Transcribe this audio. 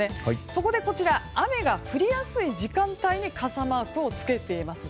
そこで雨が降りやすい時間帯に傘マークをつけています。